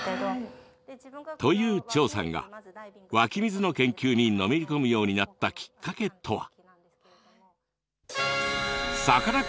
という張さんが湧き水の研究にのめり込むようになったきっかけとは？